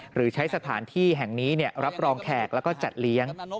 หรือใช้สถานที่แห่งนี้รับรองแขกแล้วก็จัดเลี้ยง